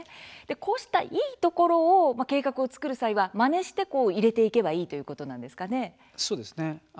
こうしたいいところを計画を作る際は、まねして入れていけばいいそうですね。